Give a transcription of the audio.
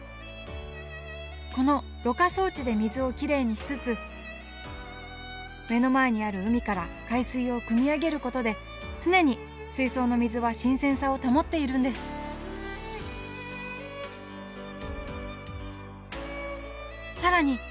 このろ過装置で水をきれいにしつつ目の前にある海から海水をくみ上げることで常に水槽の水は新鮮さを保っているんです更に